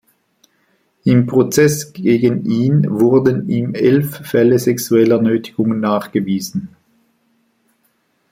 Im Prozess gegen ihn wurden ihm elf Fälle sexueller Nötigung nachgewiesen.